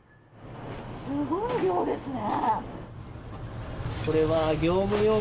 すごい量ですね。